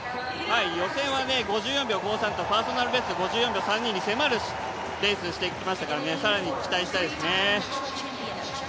予選は５４秒５３と、パーソナルベスト５３秒３２に迫るレースをしてきましたから更に期待したいですね。